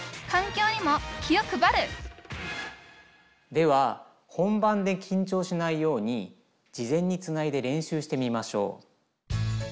では本番で緊張しないように事前につないで練習してみましょう。